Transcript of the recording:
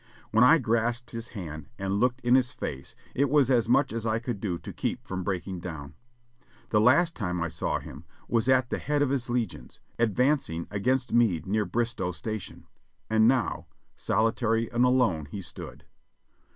When I grasped his hand and looked in his face it was as much as I could do to keep from breaking down. The last time I saw him was at the head of his legions, advancing against Meade near Bristow Station, and now — solitary and alone he stood.